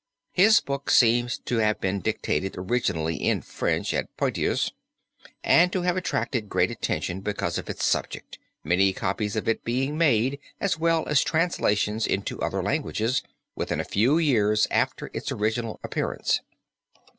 His book seems to have been dictated originally in French at Poictiers, and to have attracted great attention because of its subject, many copies of it being made as well as translations into other languages within a few years after its original appearance.